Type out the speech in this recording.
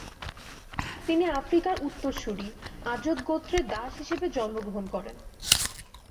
তিনি আফ্রিকার উত্তরসুরি, আজদ গোত্রে দাস হিসেবে জন্মগ্রহণ করেন।